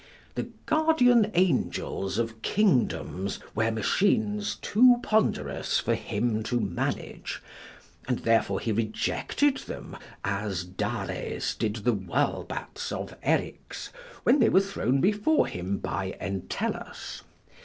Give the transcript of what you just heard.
The guardian angels of kingdoms were machines too ponderous for him to manage; and therefore he rejected them, as Dares did the whirlbats of Eryx, when they were thrown before him by Entellus.